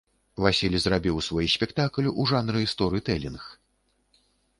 Васіль зрабіў свой спектакль у жанры сторытэлінг.